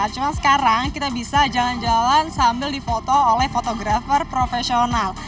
cuma sekarang kita bisa jalan jalan sambil difoto oleh fotografer profesional